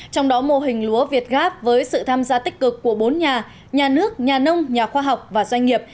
trong đó mô hình lúa việt gáp với sự tham gia tích cực của bốn nhà nhà nước nhà nông nhà khoa học và doanh nghiệp